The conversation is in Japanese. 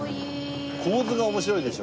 構図が面白いでしょ？